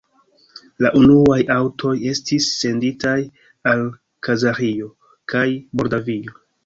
La unuaj aŭtoj estis senditaj al Kazaĥio kaj Moldavio.